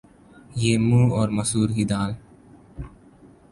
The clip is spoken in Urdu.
یہ منھ اور مسور کی دال